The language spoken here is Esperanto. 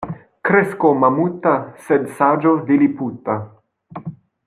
Kresko mamuta, sed saĝo liliputa.